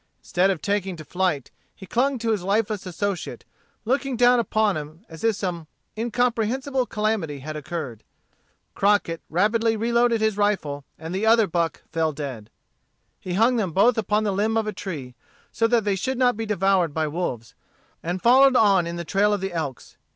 Instead of taking to flight, he clung to his lifeless associate, looking down upon him as if some incomprehensible calamity had occurred. Crockett rapidly reloaded his rifle, and the other buck fell dead. He hung them both upon the limb of a tree, so that they should not be devoured by the wolves, and followed on in the trail of the elks.